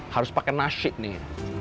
harus pakai nasi nih